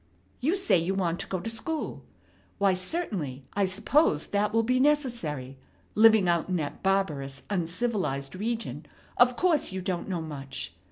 You say you want to go to school. Why, certainly, I suppose that will be necessary; living out in that barbarous, uncivilized region, of course you don't know much.